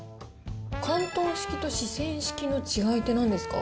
広東式と四川式の違いってなんですか？